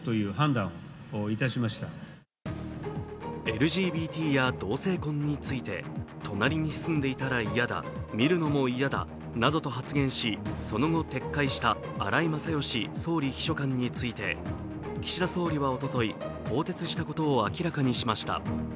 ＬＧＢＴや同性婚について隣に住んでいたら嫌だ、見るのも嫌だなどと発言しその後、撤回した荒井勝喜総理秘書官について岸田総理はおととい、更迭したことを明らかにしました。